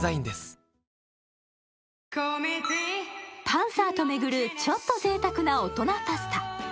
パンサーと巡るちょっと大人なぜいたくパスタ。